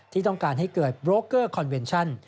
ที่ต้องการให้เกิดโบรกเกอร์คอนเวนชั่น